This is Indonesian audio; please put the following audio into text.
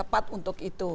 yang tepat untuk itu